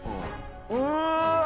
うわ！